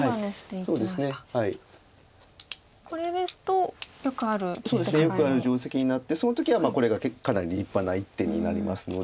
そうですねよくある定石になってその時はこれがかなり立派な一手になりますので。